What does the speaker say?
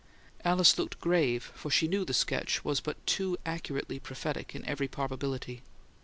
Alice looked grave; for she knew the sketch was but too accurately prophetic in every probability.